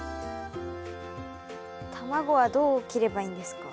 卵はどう切ればいいんですか？